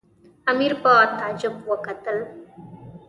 امیر په تعجب وکتل.